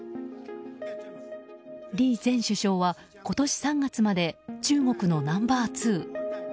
李前首相は今年３月まで中国のナンバー２。